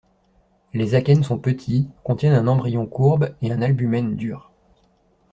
Les akènes sont petits, contiennent un embryon courbe et un albumen dur.